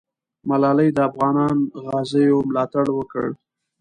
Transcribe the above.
ملالۍ د افغانو غازیو ملاتړ وکړ.